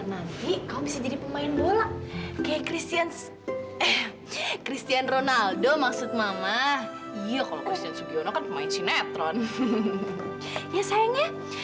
sampai jumpa di video selanjutnya